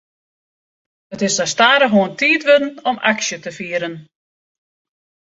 It is sa stadichoan tiid wurden om aksje te fieren.